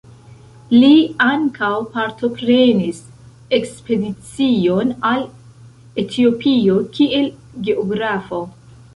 Li ankaŭ partoprenis ekspedicion al Etiopio kiel geografo.